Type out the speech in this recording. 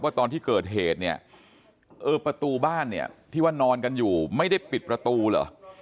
ตอนที่เกิดเหตุเนี่ยเออประตูบ้านเนี่ยที่ว่านอนกันอยู่ไม่ได้ปิดประตูเหรอ